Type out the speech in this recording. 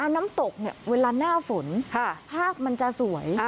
น้ำตกเวลาหน้าฝนภาพมันจะสวย